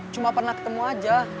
cuma pernah ketemu aja